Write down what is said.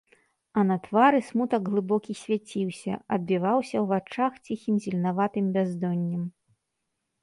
А на твары смутак глыбокі свяціўся, адбіваўся ў вачах ціхім зеленаватым бяздоннем.